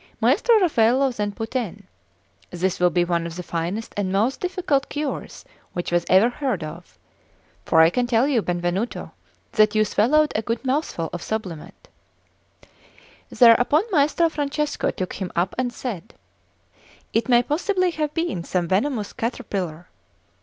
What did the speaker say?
Maestro Raffaello then put in: "This will be one of the finest and most difficult cures which was ever heard of; for I can tell you, Benvenuto, that you swallowed a good mouthful of sublimate." Thereupon Maestro Francesco took him up and said: "It may possibly have been some venomous caterpillar."